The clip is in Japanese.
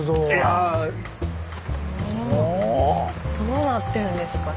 どうなってるんですかね。